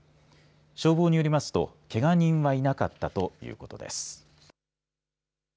消防によりますとけが人はいなかったということです。